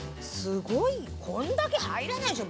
すごいこんだけ入らないでしょ。